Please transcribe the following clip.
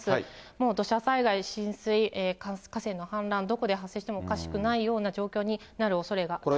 もう土砂災害、浸水、河川の氾濫、どこで発生してもおかしくないような状況になるおそれが高いです。